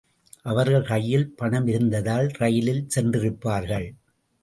அவர்கள் கையில் பணமிருந்திருந்தால் ரயிலில் சென்றிருப்பார்கள்.